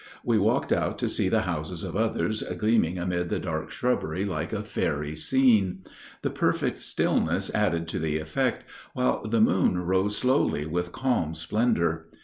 We walked out to see the houses of others gleaming amid the dark shrubbery like a fairy scene. The perfect stillness added to the effect, while the moon rose slowly with calm splendor.